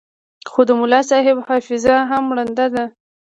خو د ملاصاحب حافظه هم ړنده ده.